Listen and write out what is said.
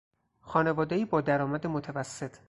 خانوادهای با درآمد متوسط